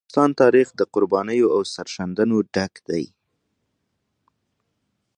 د افغانستان تاریخ د قربانیو او سرښندنو څخه ډک دی.